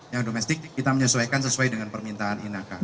yang domestik kita menyesuaikan sesuai dengan permintaan inaka